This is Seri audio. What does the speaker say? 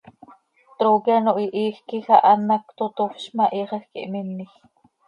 Trooqui ano hihiij quij ah an hac totofz ma, hiixaj quih minej.